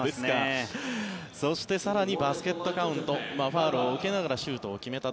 そして、更にバスケットカウントファウルを受けながらシュートを決めた。